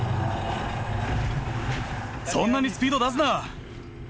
そんなにスピード出すな！